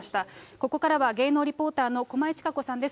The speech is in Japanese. ここからは芸能リポーターの駒井千佳子さんです。